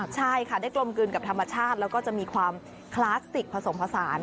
ใช่ค่ะได้กลมกลืนกับธรรมชาติแล้วก็จะมีความคลาสติกผสมผสาน